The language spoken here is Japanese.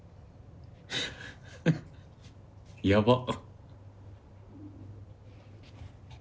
やば。